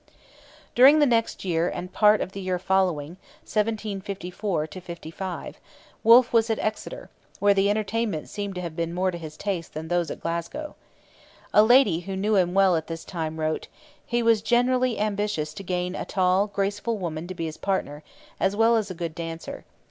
During the next year and part of the year following, 1754 55, Wolfe was at Exeter, where the entertainments seem to have been more to his taste than those at Glasgow. A lady who knew him well at this time wrote: 'He was generally ambitious to gain a tall, graceful woman to be his partner, as well as a good dancer.